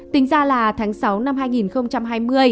tính ra là tháng sáu năm hai nghìn hai mươi